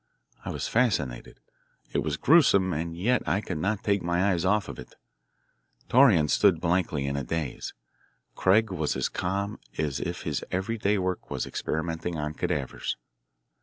I was fascinated. It was gruesome, and yet I could not take my eyes off it. Torreon stood blankly, in a daze. Craig was as calm as if his every day work was experimenting on cadavers.